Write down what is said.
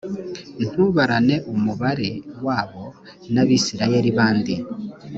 ntubarane umubare wabo n abisirayeli bandi